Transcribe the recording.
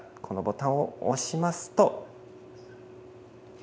このボタンを押しますと。